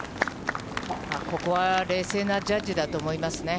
ここは冷静なジャッジだと思いますね。